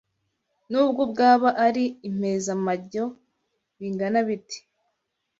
nubwo bwaba ari impezamajyo bingana bite